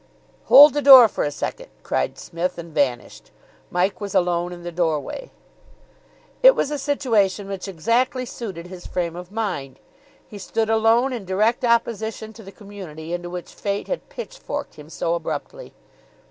"Hold the door for a second," cried Psmith, and vanished. Mike was alone in the doorway. It was a situation which exactly suited his frame of mind; he stood alone in direct opposition to the community into which Fate had pitchforked him so abruptly.